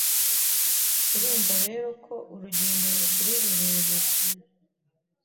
Urumva rero ko urugendo rukiri rurerure